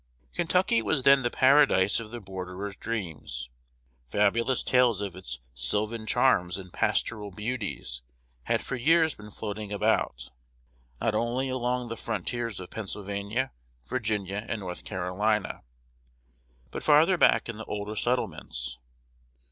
Kentucky was then the paradise of the borderer's dreams. Fabulous tales of its sylvan charms and pastoral beauties had for years been floating about, not only along the frontiers of Pennsylvania, Virginia, and North Carolina, but farther back in the older settlements.